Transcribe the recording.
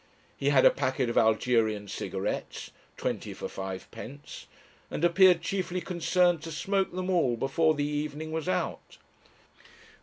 He had a packet of Algerian cigarettes (twenty for fivepence), and appeared chiefly concerned to smoke them all before the evening was out.